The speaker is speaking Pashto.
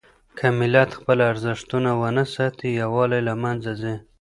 که ملت خپل ارزښتونه ونه ساتي، يووالی له منځه ځي.